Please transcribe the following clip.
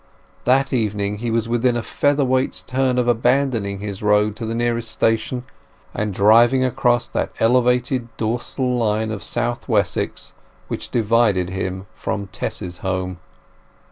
That evening he was within a feather weight's turn of abandoning his road to the nearest station, and driving across that elevated dorsal line of South Wessex which divided him from his Tess's home.